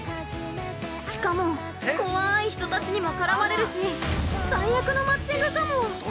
しかも怖い人たちにも絡まれるし、最悪のマッチングかも！